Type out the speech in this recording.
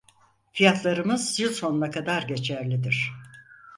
Fiyatlarımız yıl sonuna kadar geçerlidir.